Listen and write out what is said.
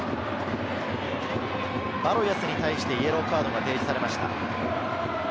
バロイェスに対してイエローカードが提示されました。